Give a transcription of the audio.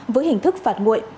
với hình thức phạt nguội